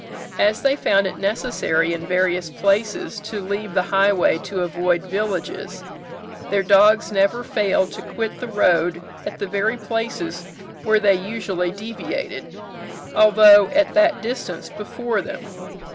As they found it necessary in various places to leave the highway to avoid villages, their dogs never failed to quit the road at the very places where they usually deviated, although at that distance before them.